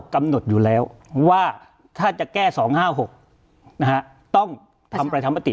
กำหนดอยู่แล้วว่าถ้าจะแก้๒๕๖ต้องทำประชามติ